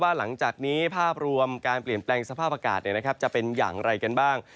หลังจากนี้ภาพรวมการเปลี่ยนแปลงสภาพอากาศจะเป็นอย่างไรกันบ้าง